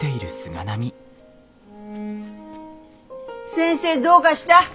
先生どうかした？